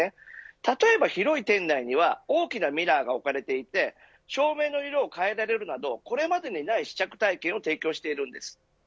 例えば広い店内には大きなミラーが置かれていて照明の色を変えられるなどこれまでにない試着体験を提供しているんです。